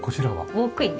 ウォークインです。